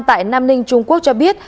tại nam ninh trung quốc cho biết